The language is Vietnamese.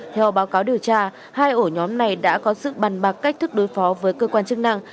theo báo cáo điều tra hai ổ nhóm này đã có sự bàn bạc cách thức đối phó với cơ quan chức năng